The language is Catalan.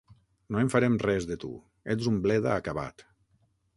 No en farem res, de tu: ets un bleda acabat.